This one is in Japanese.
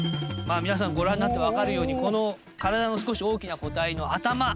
まあ皆さんご覧になって分かるようにこの体の少し大きな個体の頭！